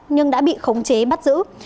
nhưng đã bị khống chế bắt giữ